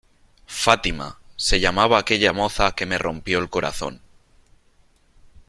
Fátima, se llamaba aquella moza que me rompió el corazón.